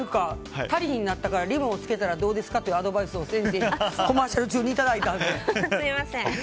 足りひんなったからリボンをつけたらどうですかというアドバイスを先生にコマーシャル中にいただいたので。